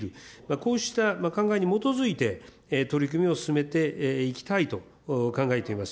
こうした考えに基づいて、取り組みを進めていきたいと考えています。